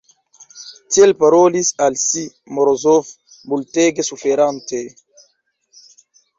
Tiel parolis al si Morozov, multege suferante.